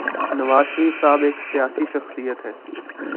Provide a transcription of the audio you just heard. نواز شریف صاحب ایک سیاسی شخصیت ہیں۔